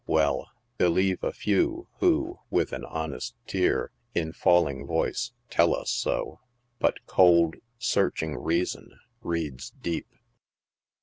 "Well, believe a few who, with an honest tear, in falling voice, tell us so. But cold, searching reason reads deep.